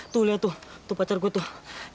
tuh lihat tuh pacar gue tuh